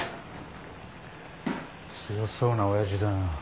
強そうなおやじだな。